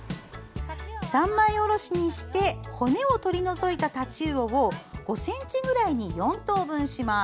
三枚おろしにして骨を取り除いたタチウオを５ｃｍくらいに４等分します。